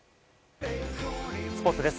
スポーツです。